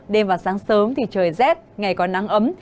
đêm và sáng sớm thì trời rét ngày có nắng ấm